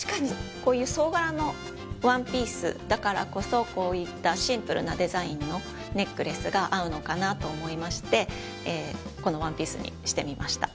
こういう総柄のワンピースだからこそこういったシンプルなデザインのネックレスが合うのかなと思いましてこのワンピースにしてみました。